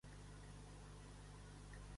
Fer-li jurar la Constitució.